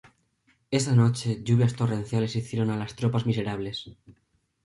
Esa noche lluvias torrenciales hicieron a las tropas miserables.